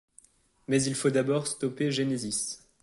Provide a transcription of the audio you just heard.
Mais il faut d'abord stopper Genesis.